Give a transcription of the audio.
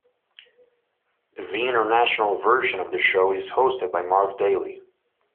The international version of the show is hosted by Mark Daley.